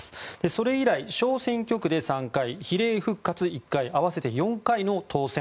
それ以来、小選挙区で３回比例復活１回合わせて４回の当選。